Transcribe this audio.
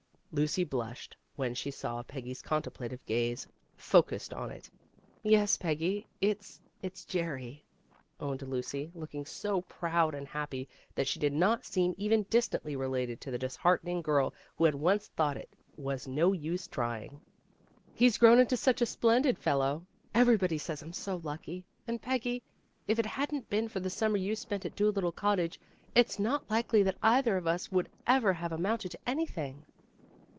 Lucy blushed when she saw Peggy's contemplative gaze focused on it. "Yes, Peggy, it's it's Jerry," owned Lucy, looking so proud and happy that she did not seem even distantly related to the disheartened girl who had once thought it was no use trying. "He's grown into such a splendid fellow. Everybody says I'm so lucky. And, Peggy, if it hadn't been for the summer you spent at Doolittle Cottage, it's not likely that either of us would ever have amounted to anything."